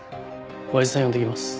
おやじさん呼んできます。